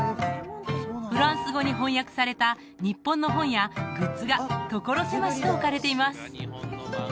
フランス語に翻訳された日本の本やグッズが所狭しと置かれています